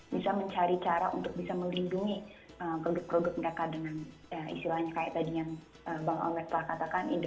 bisa mencari cara untuk bisa melindungi produk produk mereka dengan istilahnya kayak tadi yang bang omelet telah katakan